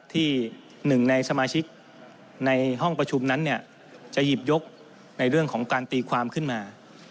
ที่หนึ่งในสมาชิกในห้องประชุมนั้นจะหยิบยกในเรื่องของการตีความขึ้นมา